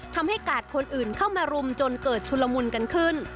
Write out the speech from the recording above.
กาดคนอื่นเข้ามารุมจนเกิดชุลมุนกันขึ้น